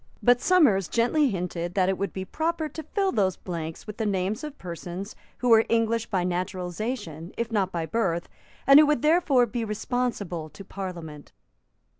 But Somers gently hinted that it would be proper to fill those blanks with the names of persons who were English by naturalisation, if not by birth, and who would therefore be responsible to Parliament.